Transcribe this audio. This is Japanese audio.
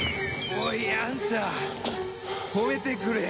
おいあんた褒めてくれ。